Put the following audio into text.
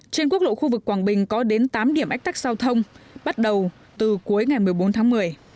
trên quốc lộ khu vực quảng bình có đến tám điểm ách tắc giao thông bắt đầu từ cuối ngày một mươi bốn tháng một mươi